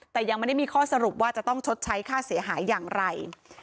แต่ยังไม่ได้มีข้อสรุปว่าจะต้องชดใช้ค่าเสียหายอย่างไร